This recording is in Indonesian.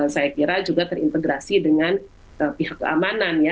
saya kira juga terintegrasi dengan pihak keamanan ya